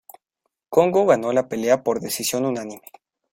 Kongo ganó la pelea por decisión unánime.